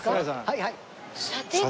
はいはい。